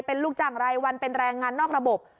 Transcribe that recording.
เป็นลูกจ้างรายวันเป็นแรงงานนอกระบบ